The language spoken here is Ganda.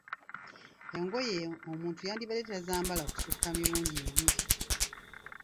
Engoye omuntu yandibadde tazambala kusukka mirundi ebiri.